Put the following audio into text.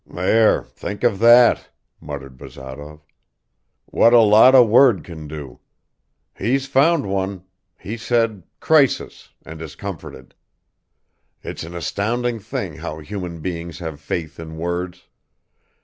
"There, think of that!" muttered Bazarov. "What a lot a word can do! He's found one; he said 'crisis' and is comforted. It's an astounding thing how human beings have faith in words.